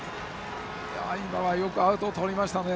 今のはよくアウトをとりましたね。